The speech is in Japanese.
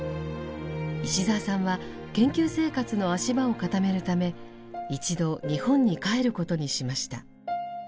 石澤さんは研究生活の足場を固めるため一度日本に帰ることにしました。